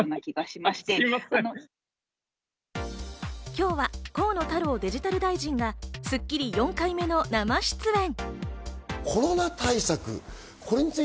今日は河野太郎デジタル大臣が『スッキリ』４回目の生出演。